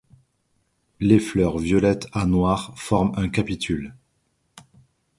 Les fleurs violettes à noires forment un capitule.